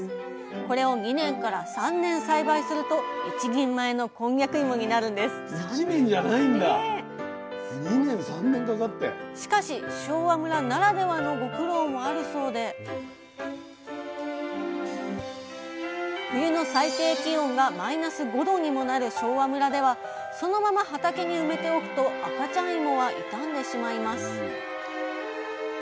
これを２年から３年栽培すると一人前のこんにゃく芋になるんですしかし昭和村ならではのご苦労もあるそうで冬の最低気温がマイナス５℃にもなる昭和村ではそのまま畑に埋めておくと赤ちゃん芋は傷んでしまいます